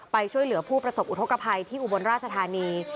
ไปช่วยเหลือผู้ประสบอุทธกภัยที่อุบลราชธานี